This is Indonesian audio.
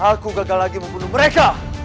aku gagal lagi membunuh mereka